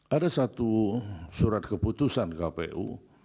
ada satu surat keputusan kpu